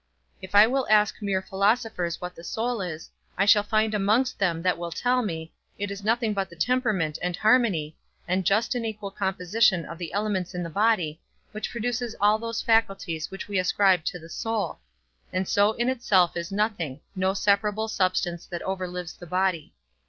If I will ask mere philosophers what the soul is, I shall find amongst them that will tell me, it is nothing but the temperament and harmony, and just and equal composition of the elements in the body, which produces all those faculties which we ascribe to the soul; and so in itself is nothing, no separable substance that overlives the body.